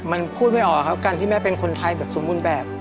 มันพูดไม่ออกครับการที่แม่เป็นคนไทยแบบสมบูรณ์แบบ